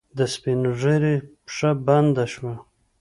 د سپينږيري پښه بنده شوه.